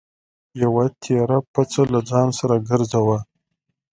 یوه تېره پڅه له ځان سره ګرځوه.